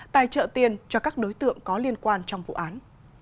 tài trợ tiền cho các đối tượng có liên quan trong vụ án